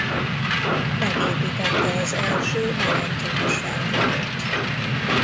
Megépítette az első elektromos felvonót.